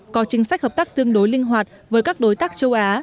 có chính sách hợp tác tương đối linh hoạt với các đối tác châu á